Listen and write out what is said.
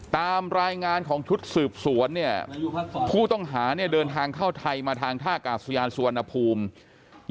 ตามรายงานของชุดสืบสวนเนี่ยผู้ต้องหาเนี่ยเดินทางเข้าไทยมาทางท่ากาศยานสุวรรณภูมิ